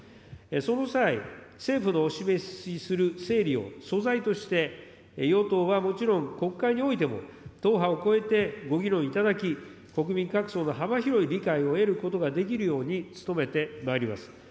その際、政府のお示しする整備を素材として、与党はもちろん、国会においても党派を超えてご議論いただき、国民各層の幅広い理解を得ることができるように努めてまいります。